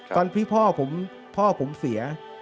ตอนที่พ่อผมเสีย